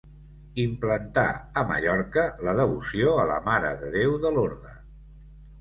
Implantà a Mallorca la devoció a la Mare de Déu de Lorda.